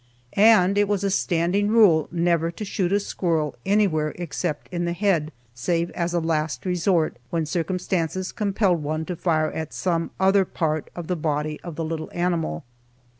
And it was a standing rule never to shoot a squirrel anywhere except in the head, save as a last resort, when circumstances compelled one to fire at some other part of the body of the little animal.